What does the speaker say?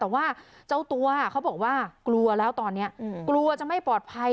แต่ว่าเจ้าตัวเขาบอกว่ากลัวแล้วตอนนี้กลัวจะไม่ปลอดภัย